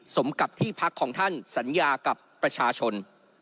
สมกับที่พักของท่านสัญญากับประชาชน